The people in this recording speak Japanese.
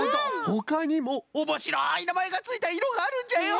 ほかにもおもしろいなまえがついたいろがあるんじゃよ！